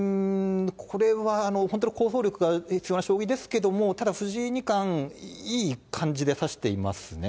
これは本当に構想力が影響する将棋ですけど、ただ、藤井二冠、いい感じで指していますね。